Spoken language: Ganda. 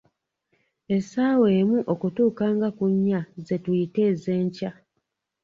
Essaawa emu okutuuka nga ku nnya, ze tuyita ez'enkya’